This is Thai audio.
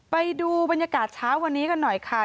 ไปดูบรรยากาศเช้าวันนี้กันหน่อยค่ะ